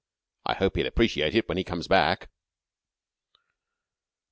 I hope he'll appreciate it when he comes back."